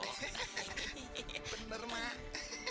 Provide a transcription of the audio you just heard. hahaha benar mak